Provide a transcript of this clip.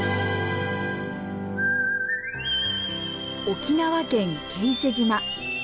沖縄県慶伊瀬島。